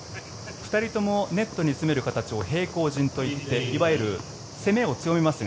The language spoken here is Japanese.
２人ともネットに詰める形を平行陣といっていわゆる攻めを強めますが。